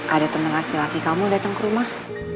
ada teman laki laki kamu datang ke rumah